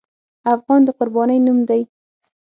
افغان د قربانۍ نوم دی.